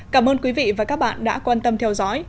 cảm ơn quý vị và các bạn đã quan tâm theo dõi